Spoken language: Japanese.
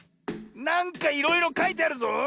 なんかいろいろかいてあるぞ。